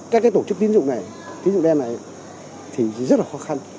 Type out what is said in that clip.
các tổ chức tín dụng này tín dụng đen này thì rất là khó khăn